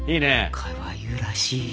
かわいらしい。